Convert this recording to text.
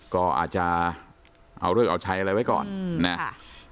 ก็อาจจะเอาเลิกเอาใช้อะไรไว้ก่อนนะครับ